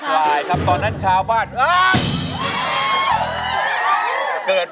ด้านล่างเขาก็มีความรักให้กันนั่งหน้าตาชื่นบานมากเลยนะคะ